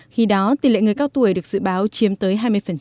khi đó tỷ lệ người cao tuổi được dự báo chiếm tới hai mươi